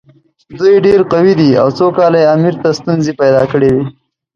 دوی ډېر قوي دي او څو کاله یې امیر ته ستونزې پیدا کړې وې.